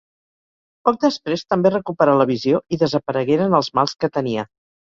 Poc després, també recuperà la visió i desaparegueren els mals que tenia.